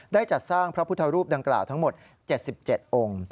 ได้จัดสร้างพระพุทธรูปดังกล่าวทั้งหมด๗๗องค์